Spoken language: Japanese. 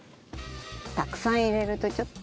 たくさん入れるとちょっと。